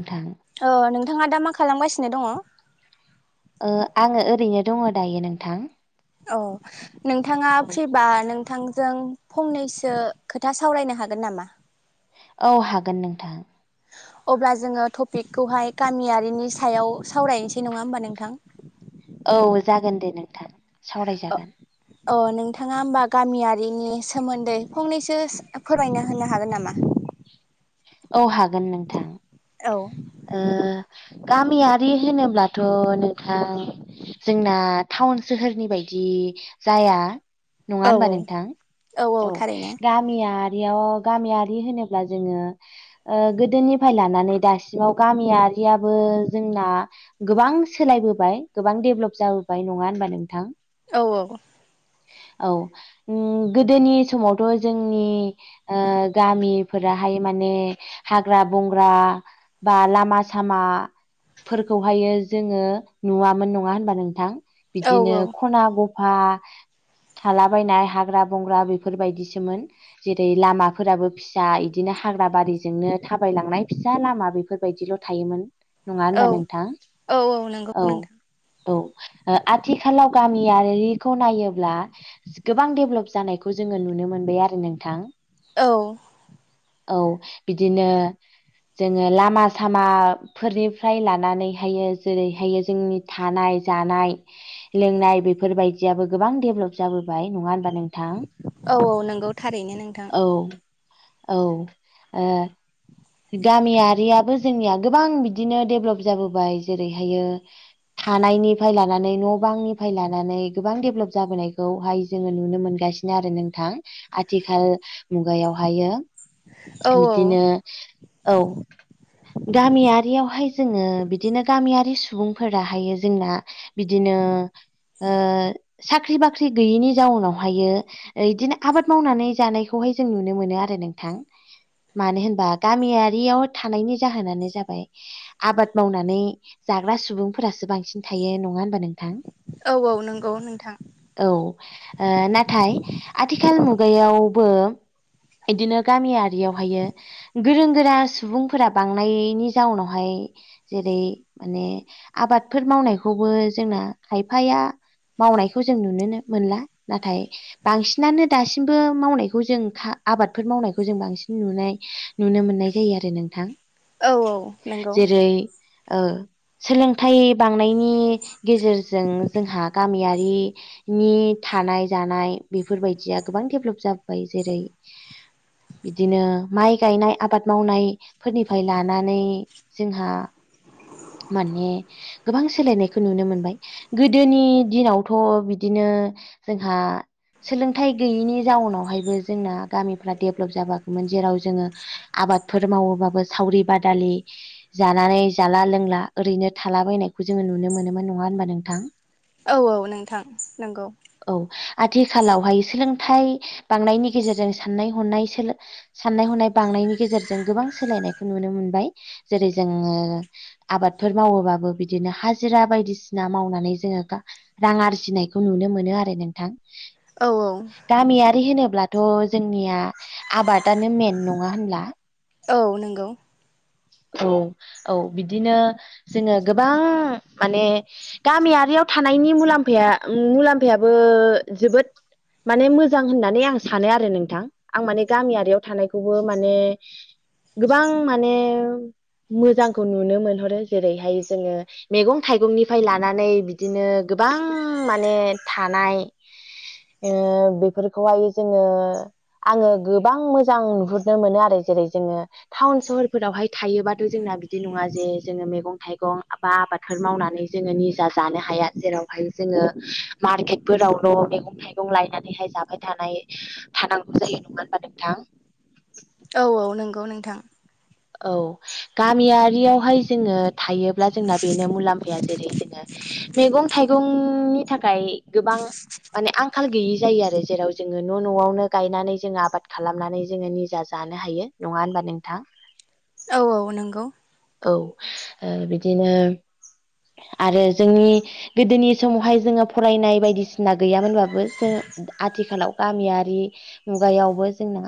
नोंथां ओ नोंथाङा दा मा खालामगासिनो दङ? ओ आङो ओरैनो दङ दायो नोंथां। अ नोंथाङा फ्रिबा नोंथां जों फंनैसो खोथा सावरायनो हागोन नामा? औ हागोन नोंथां। अब्ला जोङो टपिकखौहाय गामियारिनि सायाव सावरायनोसै नङा होमबा नोंथां? औ जागोन दे नोंथां सावरायजागोन। अ नोंथाङा होमबा गामियारिनि सोमोन्दै फंनैसो फोरमायना होनो हागोन नामा? औ हागोन नोंथां। औ गामियारि होनोब्लाथ' नोंथां जोंना टाउन सोहोरनि बायदि जाया नङा औ होनबा नोंथां औ गामिया याव गामियारि होनोब्ला जोङो ओ गोदोनिफ्राय लानानै दासिमाव गामियारियाबो जोंना गोबां सोलायबोबाय गोबां डेभेलप जाबोबाय नङा होनबा नोंथां? औ औ औ गोदोनि समावथ' जोंनि ओ गामिफोराहाय मा ने हाग्रा बंग्रा बा लामा सामा फोरखौहायो जोङो नुवामोन नङा होनबा नोंथां औ बिदिनो खना ग फा थालाबायनाय हाग्रा बंग्रा बेफोर बायदिसोमोन जेरै लामाफोराबो फिसा इदिनो हा हाग्रा बारिजोंनो थाबायलांनाय फिसा लामा बेफोर बायदिल' थायोमोन। नङा औ होनबा नोंथां औ नंगौ औ। नोंथां औ ओ आथिखालाव गामियारिखौ नायोब्ला गोबां डेभेलप जानायखौ जोङो नुनो मोनबाय आरो नोंथां। औ औ बिदिनो जोङो लामा सामाफोरनिफ्राय लानानैहायो जेरैहाय जोंनि थानाय जानाय लोंनाय बेफोरबायदियाबो गोबां डेभेलप जाबोबाय नङा होनबा? नोंथां औ औ नंगौ थारैनो नोंथां औ औ। ओ गामियारियाबो जोंनिया गोबां बिदिनो डेभेलप जाबोबाय जेरैहायो थानायनिफ्राय लानानै न' बांनिफ्राय लानानै गोबां डेभेलप जाबोनायखौहाय जोङो नुनो मोनगोन गासिनो आरो नोंथां आथिखाल मुगायावहायो औ औ बिदिनो औ गामियारियावहाय जोङो बिदिनो गामियारि सु सुबुंफोराहायो जोंना बिदिनो ओ साख्रि बाख्रि गैयैनि जाउनावहायो बिदिनो आबाद मावनानै जानायखौहाय हाय जों नुनो मोनो आरो नोंथां। मानो होनबा गामियारियाव थानायनि जाहोनानो जाबाय आबाद मावनानै जा बा सुबुंफोरासो बांसिन थायो नङा होनबा नोंथां? औ औ नंगौ नोंथां औ ओ नाथाय आथिखाल मुग गायावबो बिदिनो गामियारियावहायो गोरों गोरा सुबुंफोरा बांनायनि जाउनावहाय जेरै जै माने आबादफोर मावनायखौबो जोंना खायफाया मावनायखौ जों नुनोनो मोनला नाथाय बांसिनानो दासिमबो मावनायखौ जों आबादफोर मावनायखौ जों बांसिन नुनाय नुनो मोननाय जायो आरो नोंथां। औ औ नंगौ। जेरै ओ सोलोंथाइ बांनायनि गेजेरजों जोंहा गामियारि नि बिदिनो माइ गायनाय आबाद मावनायफोरनिफ्राय लानानै जोंहा माने गोबां सोलायनायखौ नुनो मोनबाय गोदोनि दिनावथ' बिदिनो ओ जोंहा सोलोंथाइ गैयैनि जाउनावहायबो जोंना गामिफ्रा देब लब जाबोआखैमोन जेराव जोङो आबादफोर मावोबाबो सावरि बादालि जानानै जाला लोंला ओरैनो थालाबायनायखौ जोङो नुनो मोनोमोन नङा होनबा नोंथां? औ औ नोंथां नंगौ। औ आथिखालावहाय सोलोंथाइ बांनायनि गेजेरजों साननाय हनाय साननाय हनाय बांनायनि गेजेरजों गोबां सोलायनायखौ नुनो मोनबाय जेरै जोङो आबादफोर मावोबाबो बिदिनो हाजिरा बायदिसिना मावनानै जोङो रां आरजिनाय बेखौ नुनो मोनो आरो नोंथां औ गामियारि होनोब्लाथ' जोंनिया आबादानो मेन नङा होनब्ला? औ नंगौ। औ औ बिदिनो जोङो गोबां माने गामियारि याव थानायनि मुलामफाया मुलाम्फायाबो जोबोद माने मोजां होननानै आं सानो आरो नोंथां। आं माने गामियारियाव थानायखौबो माने गोबां माने मोजांखौ नुनो मोनहरो जेरैहाय जोङो मैगं थाइगंनिफ्राय लानानै बिदिनो गोबां माने थानाय ओ बेफोरखौहाय जोङो आङो गोबां मोजां नुहुरनो मोनो आरो जेरै जोङो टाउन सहरफोरावहाय थायोबाथ' जों जोंना बिदि नङा जे जोङो मैगं थाइगं बा आबादफोर मावनानै जोङो निजा जानो हाया जेरावहाय जोङो मारकेटफोरावल'मैगं थाइगं लायनानैहाय जाबाय थानाय थानांगौ जायो नङा होनबा नोंथां? औ औ नंगौ नोंथां। औ गामियारियावहाय जोङो थायोब्ला जोंना बेनो मुलाम्फाया जेरै जोङो मैगं थाइगंनि थाखाय गोबां माने आंखाल गैयि जायो आरो जेराव जोङो न' न'आवनो गायनानै जोङो आबाद खालामनानै जोङो निजा जा लानो हायो नङा होनबा नोंथां? औ औ नंगौ। औ ओ बिदिनो आरो जोंनि गोदोनि समावहाय जोङो फरायनाय बायदिसिना गैयामोनबाबो जों आथिखालाव गामियारि मुगायावबो जोंना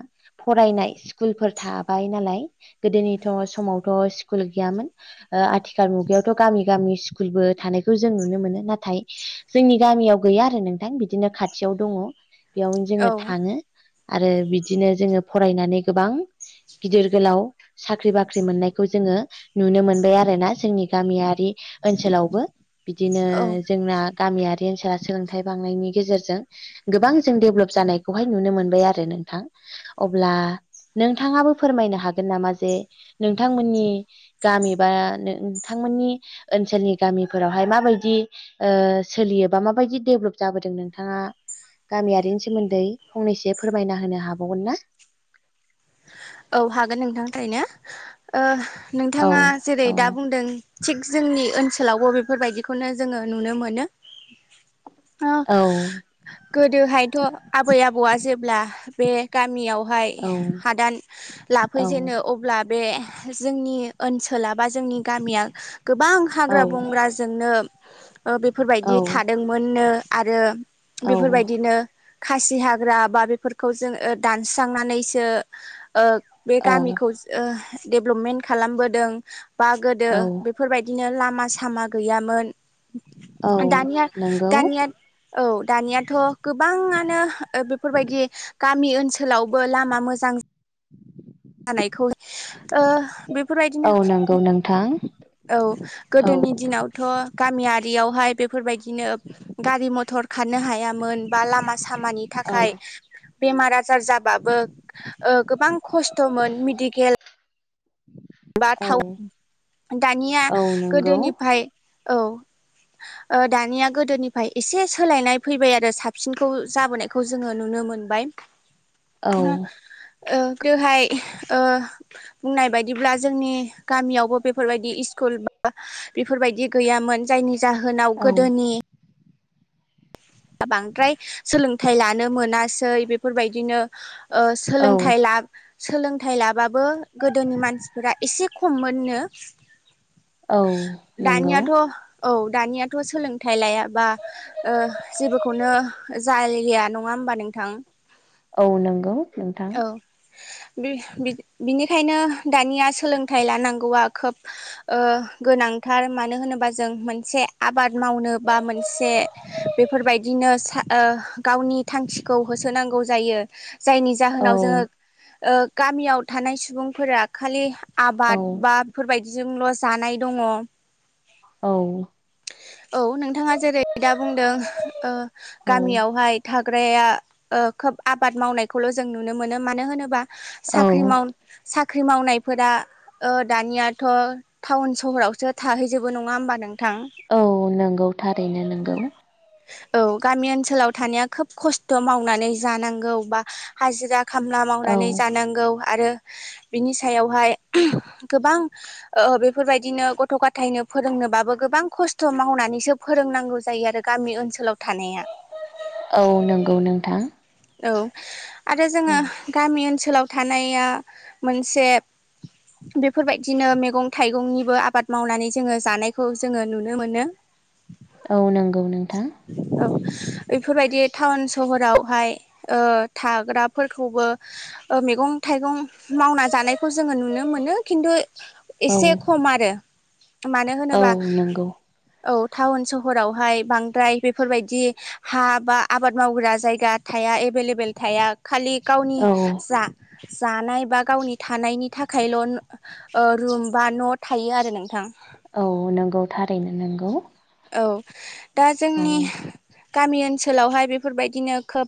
फरायनाय स्कुलफोर थाबाय नालाय गोदोनिथ' समावथ' स्कुल गैयामोन ओ आथिखाल मुगायावथ' गामि गामि स्कुलबो थानायखौ जों नुनो मोनो नाथाय जोंनि गामियाव गैया आरो नोंथां बिदिनो खाथियाव दङ बेयावनो औ जोङो थाङो। आरो बिदिनो जोङो फरायनानै गोबां गिदिर गोलाव साख्रि बाख्रि मोननायखौ जोङो नुनो मोनबाय आरोना जोंनि गामियारि ओनसोलावबो बिदिनो औ जोंना गामियारि ओनसोला सोलोंथाइ बांनायनि गेजेरजों गोबां जों डेभेलप जानायखौहाय नुनो मोनबाय आरो। नोंथां अब्ला नोंथाङाबो फोरमायनो हागोन नामा जे नोंथांमोननि गामि बा नोंथांमोननि ओनसोलनि गामिफोरावहाय माबायदि? सोलियोबा माबायदि डेभलप जाबोदों नोंथाङा गामियारिनि सोमोन्दै फंनैसो फोरमायना होनो हाबावगोन ना? औ हागोन नोंथांनिफ्रायनो औ नोंथाङा जेरै औ दा बुंदों। थिग जोंनि ओनसोलावबो बेफोरबायदिखौनो जोङो नुनो मोनो। औ गोदोहायथ' आबै आबौआ जेब्ला बे गामियावहाय औ हादान औ लाफैजेनो अब्ला बे बे जोंनि ओनसोला बा जोंनि गामिया गोबां औ हाग्रा बंग्राजोंनो बेफोरबायदि थादोंमोननो आरो औ बेफोरबायदिनो खासि हाग्रा बा बेफोरखौ जों दानस्रांनानैसो बे गामिखौ डेभलपमेन्ट खालामबोदों बा गोदो औ बेफोरबायदिनो लामा सामा गैयामोन। [unintelligible] [inaudible] दानिया नंगौ दानिया औ दानियाथ' गोबाङानो बेफोरबायदि गामि ओनसोलावबो लामा मोजां जानायखौ बेफोरबायदिनो औ नंगौ नोंथां औ औ गोदोनि दिनावथ' गामियारियावहाय बेफोरबायदि बिदिनो गारि मथर खारनो हायामोन बा लामा सामानि औ थाखाय बेमार आजार जाबाबो गोबां खस्थ' बा औ थाव दानिया औ नंगौ गोदोनिफ्राय औ। दानिया गोदोनिफ्राय एसे सोलायनाय फैबाय आरो साबसिनखौ जाबोनायखौ जोङो नुनो मोनो। मोनबाय। औ। ओ बेवहाय ओ बुंनाय बायदि बिदिब्ला जोंनि गामियावबो बेफोरबायदि स्कुल बा बेफोरबायदि गैयामोन जायनि जाहोनाव औ गोदोनि बांद्राय सोलोंथाइ लानो मोनासै बेफोरबायदिनो औ सोलोंथाइ लाब सोलोंथाइ लाबाबो गोदोनि मानसिफोरा एसे खममोननो। औ नंगौ। दानियाथ' औ दानियाथ' सोलोंथाइ लायाबा नों जाय गैया नङा हबा नोंथां? औ नंगौ नोंथां। बिनिखायनो दानिया सोलोंथाइ लानांगौआ खोब गोनांथार मानो होनोबा जों मोनसे आबाद मावनो बा मोनसे बेफोरबायदिनो सासे गावनि थांखिखौ होसोनांगौ जायो जायनि औ जाहोनाव जोङो ओ गामियाव थानाय सुबुंफोरा खालि औ आबाद बा बेफोरबायदिजोंल' जानाय दङ औ औ नोंथाङा जेरै दा बुंदों ओ औ गामियावहाय थाग्राया खोब आबाद मावनायखौल' जों नुनो मोनो मानो होनोबा औ साख्रि मावनाय साख्रि मावनायफोरा ओ दानियाथ' टाउन सहरावसो थाहैजोबो नङा होमबा नोंथां औ नंगौ थारैनो नंगौ औ गामि ओनसोलाव थानाया खोब खस्थ' मावनानै जानांगौ बा हाजिरा खामला औ मावनानै जानांगौ आरो बिनि सायावहाय गोबां ओ बेफोरबायदिनो गथ' गथायनो फोरोंनोबाबो गोबां खस्थ' मावनानैसो फोरोंनांगौ जायो आरो गामि ओनसोलाव थानाया औ नंगौ नोंथां औ आरो औ जोङो गामि ओनसोलाव थानाया मोनसे बेफोरबायदिनो मैगं थाइगंनिबो आबाद मावनानै जोङो जानायखौ जोङो नुनो मोनो औ नंगौ नोंथां औ बेफोरबायदि टाउन सहरावहाय ओ थाग्राफोरखौबो मैगं थाइगं मावना जानायखौ जोङो नुनो मोनो खिन्थु औ एसे खम आरो मानो औ होनोबा नंगौ औ टाउन सहरावहाय बांद्राय बेफोरबायदि हा बा आबाद मावग्रा जायगा थाया एभेलेबेल थाया खालि गावनि औ जा जानाय बा गावनि थानायनि थाखायल' ओ रुम बा न' थायो आरो नोंथां औ नंगौ थारैनो नंगौ औ दा औ जोंनि गामि ओनसोलावहाय बेफोरबायदिनो खोब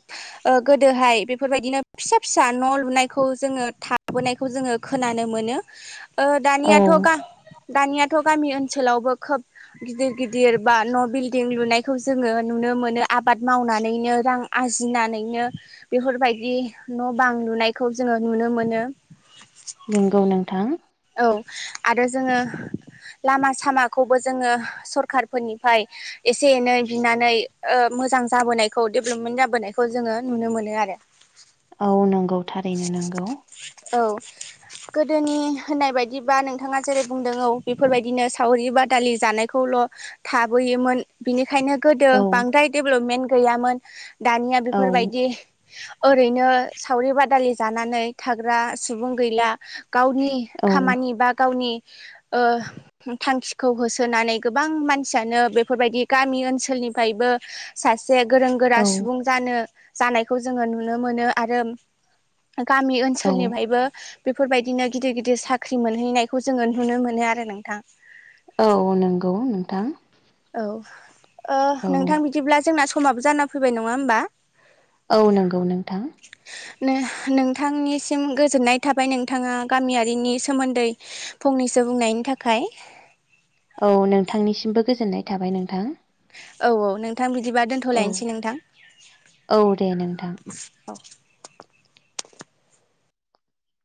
गोदोहाय बेफोरबायदिनो फिसा फिसा न' लुनाय जोङो थाबोनायखौ जोङो खोनानो मोनो ओ औ दानियाथ' दानियाथ' गामि ओनसोलावबो खोब गिदिर गिदिर बा न' बिल्डिं लुनायखौ जोङो नुनो मोनो आबाद मावनानैनो रां आरजिनानै नो बेफोरबायदि न' बां लुनायखौ जोङो नुनो मोनो नंगौ नोंथां औ आरो जोङो लामा सामाखौबो जोङो सरखारफोरनिफ्राय एसे एनै बिनानै ओ मोजां जाबोनायखौ डेभेलपमेन्ट जाबोनायखौ जोङो नुनो मोनो आरो औ नंगौ थारैनो नंगौ औ [unintelligible] गोदोनि होननाय बायदिबा नोंथाङा जेरै बुंदों औ बेफोरबायदिनो सावरि बा दालि जानायखौल' थाबोयोमोन बिनि बेखायनो गोदो औ बांद्राय डेभलपमेन्ट गैयामोन दानिया औ बेफोरबायदि ओरैनो सावरि बादालि जानानै थाग्रा सुबुं गैला गावनि औ खामानि बा गावनि ओ थांखिखौ होसोनानै गोबां मानसियानो बेफोरबायदि गामि ओनसोलनि निफ्रायबो सा से गोरों गोरा औ सुबुं जानो जानायखौ जोङो नुनो मोनो आरो गामि ओनसोलनिफ्रायबो बेफोरबायदिनो गिदिर गिदिर साख्रि मोनहैनायखौ जोङो नुनो मोनो आरो नोंथां औ नंगौ नोंथां औ ओ औ नोंथां बिदिब्ला जोंना समाबो जाना फैबाय नङा होमबा औ नंगौ नोंथां नोंथांनिसिम गोजोननाय थाबाय नोंथाङा गामियारिनि सोमोन्दै फंनैसो फंनैसो बुंनायनि थाखाय औ नोंथांनिसिमबो गोजोननाय थाबाय नोंथां औ औ नोंथां बिदिबा औ दोनथ'लायनोसै नोंथां औ दे नोंथां औ